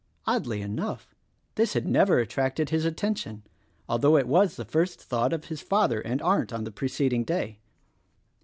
Oddly enough, this had never attracted his attention — although it was the first thought of his father and Arndt on the preceding day.